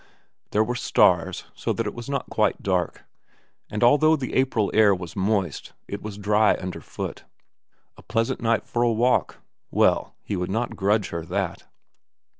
There were stars, so that it was not quite dark ; and although the April air was moist it was dry under foot. A pleasant night for a walk. Well, he would not grudge her that.